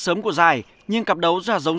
sớm của giải nhưng cặp đấu giả dống